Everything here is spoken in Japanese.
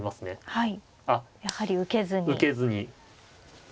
はい。